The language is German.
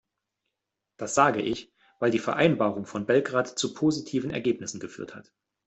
Das sage ich, weil die Vereinbarung von Belgrad zu positiven Ergebnissen geführt hat.